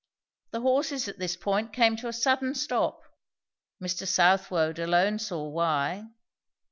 The horses at this point came to a sudden stop. Mr. Southwode alone saw why.